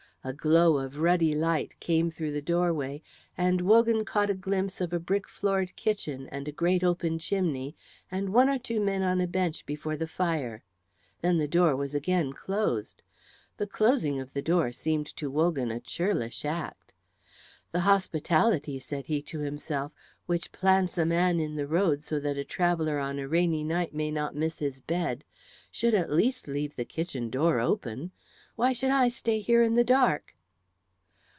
A glow of ruddy light came through the doorway, and Wogan caught a glimpse of a brick floored kitchen and a great open chimney and one or two men on a bench before the fire. Then the door was again closed. The closing of the door seemed to Wogan a churlish act. "The hospitality," said he to himself, "which plants a man in the road so that a traveller on a rainy night may not miss his bed should at least leave the kitchen door open. Why should I stay here in the dark?"